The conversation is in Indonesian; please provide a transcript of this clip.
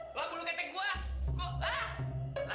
nah ondok ondok